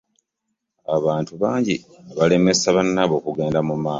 Abantu bangi abalemesa bannaabwe okugenda mu maaso.